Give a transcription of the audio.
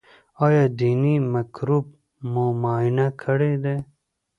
ایا د ینې مکروب مو معاینه کړی دی؟